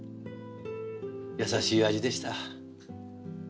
優しい味でした。